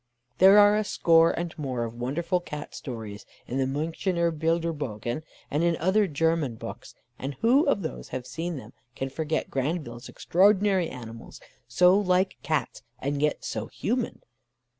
There are a score and more of wonderful Cat stories in the Münchener Bilderbögen, and in other German books; and who of those who have seen them can forget Grandville's extraordinary animals, so like Cats, and yet so human.